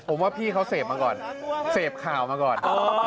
ผมว่าพี่เขาเสพมาก่อนเสพข่าวมาก่อน